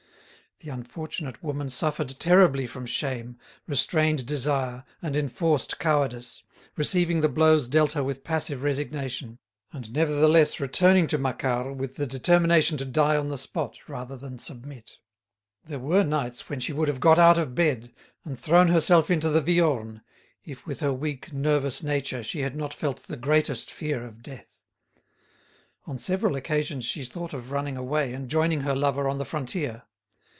The unfortunate woman suffered terribly from shame, restrained desire and enforced cowardice, receiving the blows dealt her with passive resignation, and nevertheless returning to Macquart with the determination to die on the spot rather than submit. There were nights when she would have got out of bed, and thrown herself into the Viorne, if with her weak, nervous, nature she had not felt the greatest fear of death. On several occasions she thought of running away and joining her lover on the frontier.